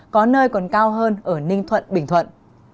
có nơi còn cao hơn ở ninh thuận bình thuận